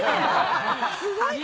すごいね。